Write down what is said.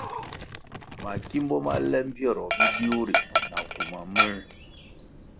Makimbo ma le mbpieroh bidiu ri na kuma múer,